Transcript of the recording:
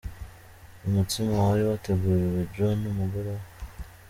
Umutsima wari wateguriwe Joe n'umugore we.